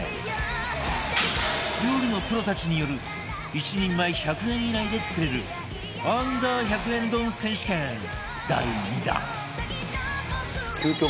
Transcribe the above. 料理のプロたちによる１人前１００円以内で作れる Ｕ−１００ 円丼選手権第２弾